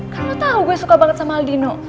kan lo tau gue suka banget sama aldino